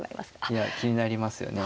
いや気になりますよね。